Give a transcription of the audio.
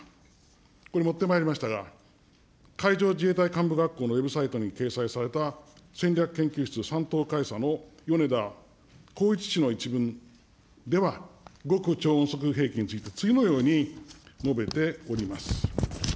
これ、持ってまいりましたが、海上自衛隊幹部学校のウェブサイトに掲載された戦略研究室３等海佐のよねだこういち氏の一文では、極超音速兵器について、次のように述べております。